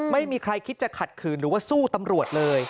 ไม่มีใครคิดจะขัดขืนหรือว่าสู้ตำรวจเลย